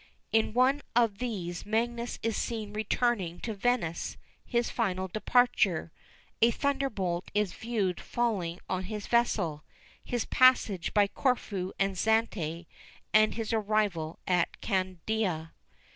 In one of these Magius is seen returning to Venice; his final departure, a thunderbolt is viewed falling on his vessel his passage by Corfu and Zante, and his arrival at Candia.